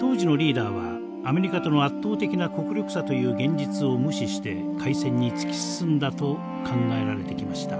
当時のリーダーはアメリカとの圧倒的な国力差という現実を無視して開戦に突き進んだと考えられてきました。